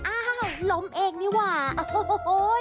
อ้าวล้มเองนี่หว่าโอ้โห